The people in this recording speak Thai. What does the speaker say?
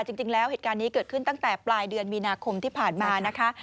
จริงแล้วเหตุการณ์นี้เกิดขึ้นตั้งแต่ปลายเดือนมีนาคมที่ผ่านมานะคะ